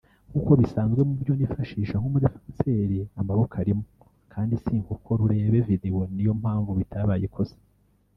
nk’uko bisanzwe mubyo nifashija nkumu defenseur amaboko arimo kandi sinkokora urebe video niyo mpamvu bitabaye ikosa